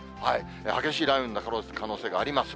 激しい雷雨になる可能性があります。